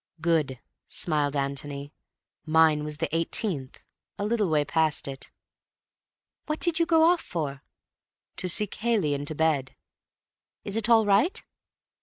"Good," smiled Antony. "Mine was the eighteenth—a little way past it." "What did you go off for?" "To see Cayley into bed." "Is it all right?"